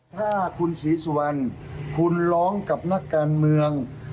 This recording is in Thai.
ถ้าคุณศรีสุวรรณคุณร้องกับนักการเมือง